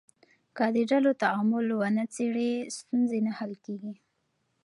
که د ډلو تعامل ونه څېړې، ستونزې نه حل کېږي.